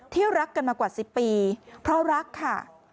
รักกันมากว่า๑๐ปีเพราะรักค่ะ